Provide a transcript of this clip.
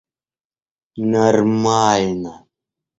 нормально